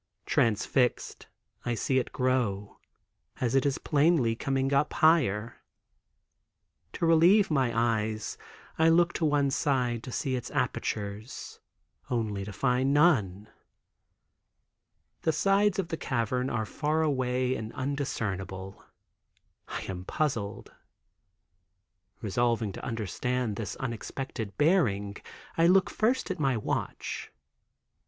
Transfixed, I see it grow, as it is plainly coming up higher. To relieve my eyes I look to one side to see its appurtenances, only to find none. The sides of the cavern are far away and undiscernible. I am puzzled. Resolving to understand this unexpected bearing, I look first at my watch.